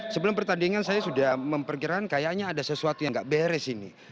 sebelum pertandingan saya sudah memperkirakan kayaknya ada sesuatu yang gak beres ini